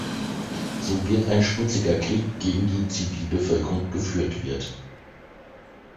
So wird ein schmutziger Krieg gegen die Zivilbevölkerung geführt wird.